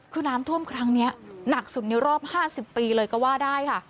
คือน้ำท่วมครั้งนี้หนักสุดในรอบ๕๐ปีเลยก็ว่าได้ค่ะ